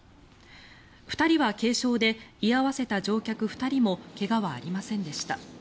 ２人は軽傷で居合わせた乗客２人も怪我はありませんでした。